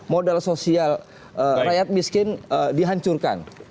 modal sosial rakyat miskin dihancurkan